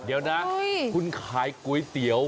เดี๋ยวนะคุณขายก๋วยเตี๋ยว